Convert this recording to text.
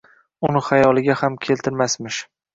Uni xayoliga ham keltirmasmish.